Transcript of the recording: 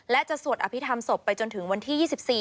และจะสวดอภิษฐรรศพไปจนถึงวันที่๒๔